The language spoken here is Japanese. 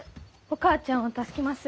お母ちゃんを助けます。